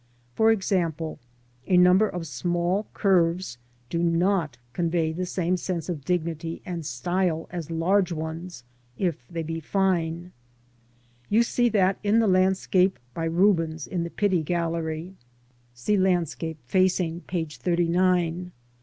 For example, a number of small curves do not convey the same sense of dignity and style as large ones if they be fine. You see that in the landscape by Rubens in the Pitti Gallery (see illustration 38 LANDSCAPE PAINTING IN OIL COLOUR. facing p. 39).